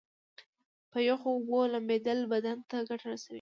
په یخو اوبو لمبیدل بدن ته ګټه رسوي.